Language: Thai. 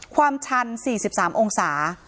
ความชัน๔๓องศา